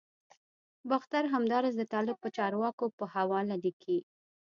باختر همداراز د طالب چارواکو په حواله لیکلي